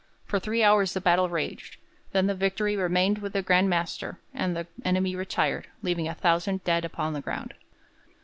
For three hours the battle raged; then the victory remained with the Grand Master, and the enemy retired, leaving a thousand dead upon the ground.